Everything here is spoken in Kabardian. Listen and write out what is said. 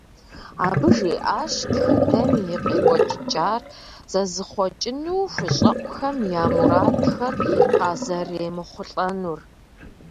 Абы жиӀащ тхыдэм и къекӀуэкӀыкӀар зэзыхъуэкӀыну хущӀэкъухэм я мурадхэр къазэремыхъулӀэнур.